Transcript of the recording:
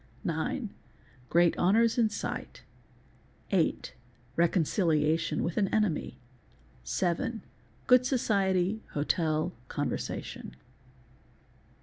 Nine—great honours in sight. Hight—vreconcilia — tion with an enemy. Seven—good society, hotel, conversation.